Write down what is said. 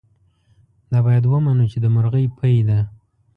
دا باید ومنو چې د مرغۍ پۍ ده.